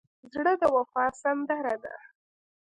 زړه د وفا سندره ده.